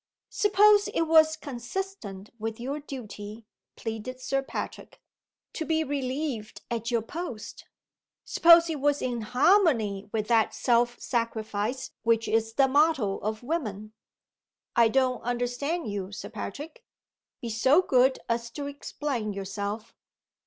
"Suppose it was consistent with your duty," pleaded Sir Patrick, "to be relieved at your post? Suppose it was in harmony with that 'self sacrifice' which is 'the motto of women?'" "I don't understand you, Sir Patrick. Be so good as to explain yourself."